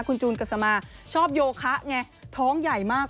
คุณจูนกัสมาชอบโยคะไงท้องใหญ่มาก